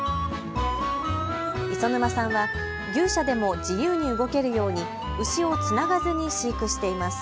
磯沼さんは牛舎でも自由に動けるように牛をつながずに飼育しています。